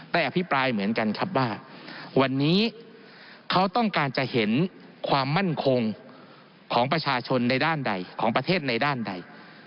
อภิปรายเหมือนกันครับว่าวันนี้เขาต้องการจะเห็นความมั่นคงของประชาชนในด้านใดของประเทศในด้านใด